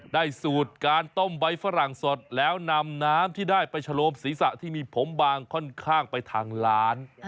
สูตรการต้มใบฝรั่งสดแล้วนำน้ำที่ได้ไปชะโลมศีรษะที่มีผมบางค่อนข้างไปทางร้าน